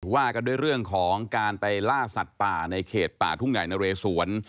ว่ากันด้วยเรื่องของการไปล่าสัตว์ป่าในเขตป่าทุ่งใหญ่นะเรสวน